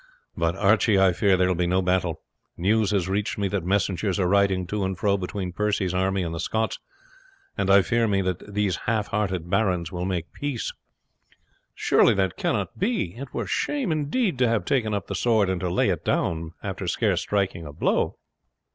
But, Archie, I fear there will be no battle. News has reached me that messengers are riding to and fro between Percy's army and the Scots, and I fear me that these half hearted barons will make peace." "Surely that cannot be! It were shame indeed to have taken up the sword, and to lay it down after scarce striking a blow."